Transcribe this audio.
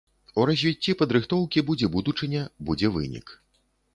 У развіцці падрыхтоўкі будзе будучыня, будзе вынік.